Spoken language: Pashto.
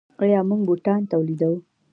آیا موږ بوټان تولیدوو؟